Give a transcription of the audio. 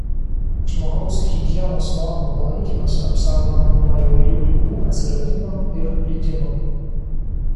Žmogaus higienos normų palaikymas apsaugo nuo įvairių ligų atsiradimo ir plitimo.